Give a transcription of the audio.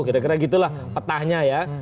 kira kira gitu lah petahnya ya